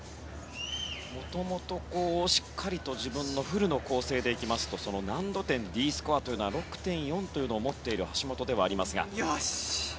もともと、しっかりと自分のフルの構成でいきますと難度点、Ｄスコアというのは６．４を持っている橋本ではあります。